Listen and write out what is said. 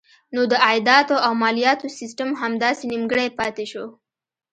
نو د عایداتو او مالیاتو سیسټم همداسې نیمګړی پاتې شو.